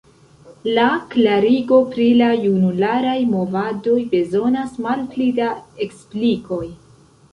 La klarigo pri la junularaj movadoj bezonas malpli da eksplikoj.